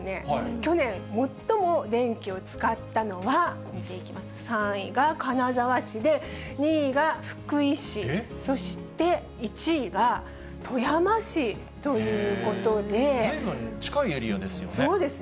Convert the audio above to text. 去年、最も電気を使ったのは、見ていきますと、３位が金沢市で、２位が福井市、ずいぶん近いエリアですよね。